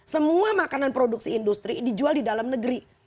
semua makanan produksi industri dijual di dalam negeri